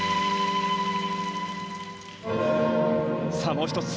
もう１つ。